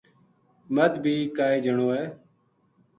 مَدھ بی کائے جنو ہے